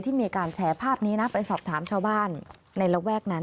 มีการแชร์ภาพนี้นะไปสอบถามชาวบ้านในระแวกนั้น